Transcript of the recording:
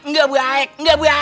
nggak baik nggak baik